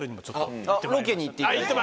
ロケに行っていただいて。